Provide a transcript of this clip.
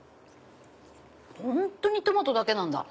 本当にトマトだけなんだ。